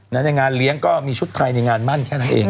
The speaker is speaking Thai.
ในงานเลี้ยงก็มีชุดไทยในงานมั่นแค่นั้นเอง